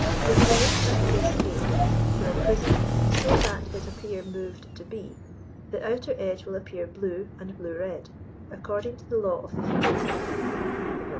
If we look at the disk a through a prism, so that it appear moved to b, the outer edge will appear blue and blue red, according to the law of the figure B (fig.